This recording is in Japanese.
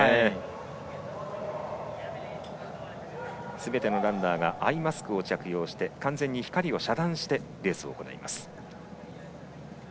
すべてのランナーがアイマスクを着用して光を遮断しレースを行います。